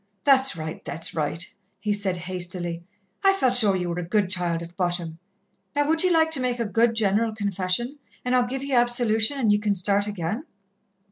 "That's right, that's right," he said hastily. "I felt sure ye were a good child at bottom. Now would ye like to make a good general Confession, and I'll give ye absolution, and ye can start again?"